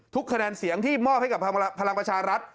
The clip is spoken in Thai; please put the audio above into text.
คะแนนเสียงที่มอบให้กับพลังประชารัฐ